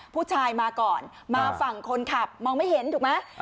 ผู้ชายมาก่อนมาฝั่งคนขับมองไม่เห็นถูกไหม